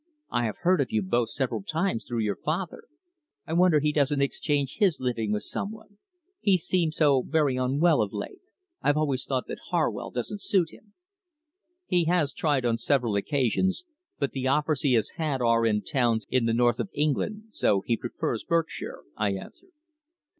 I have heard of you both several times through your father. I wonder he doesn't exchange his living with some one. He seems so very unwell of late. I've always thought that Harwell doesn't suit him." "He has tried on several occasions, but the offers he has had are in towns in the North of England, so he prefers Berkshire," I answered.